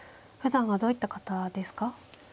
ふだんはどういった方ですか。